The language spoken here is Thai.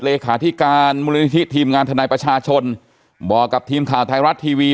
เลขาธิการมูลนิธิทีมงานทนายประชาชนบอกกับทีมข่าวไทยรัฐทีวี